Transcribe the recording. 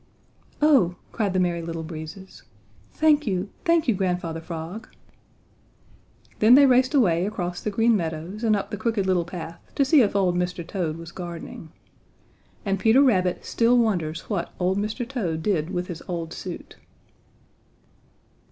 "Oh," cried the Merry Little Breezes, "thank you, thank you, Grandfather Frog!" Then they raced away across the Green Meadows and up the Crooked Little Path to see if old Mr. Toad was gardening. And Peter Rabbit still wonders what old Mr. Toad did with his old suit.